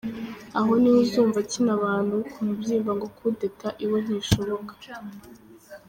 Aho niho uzumva akina abantu ku mubyimba ngo coup d’Etat iwe ntishoboka.